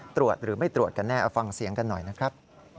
ตรวจหรือไม่ตรวจกันแน่เอาฟังเสียงกันหน่อยนะครับ